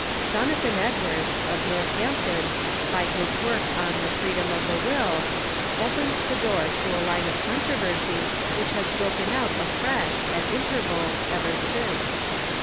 Jonathan Edwards, of Xorthanipton, by his work on " The Freedom of the Will," opened the door to a line of controversy which has broken out afresh, at intervals, ever since.